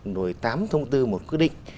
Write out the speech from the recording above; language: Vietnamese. đổi tám thông tư một quyết định